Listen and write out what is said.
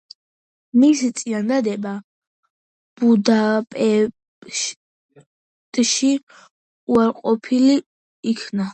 მისი წინადადება ბუდაპეშტში უარყოფილ იქნა.